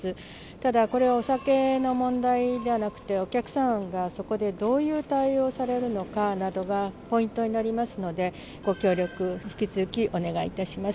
ただ、これはお酒の問題ではなくて、お客さんがそこでどういう対応をされるのかなどがポイントになりますので、ご協力、引き続きお願いいたします。